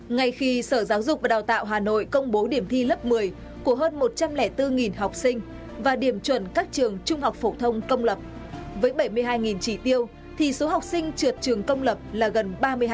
ngay khi sở giáo dục và đào tạo hà nội công bố điểm thi lớp một mươi của hơn một trăm linh bốn học sinh và điểm chuẩn các trường trung học phổ thông công lập với bảy mươi hai chỉ tiêu thì số học sinh trượt trường công lập là gần ba mươi hai